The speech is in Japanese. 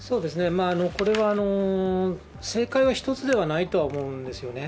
これは正解は１つではないと思うんですよね。